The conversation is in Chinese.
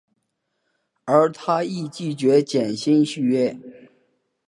而他亦拒绝减薪续约。